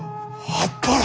あっぱれ！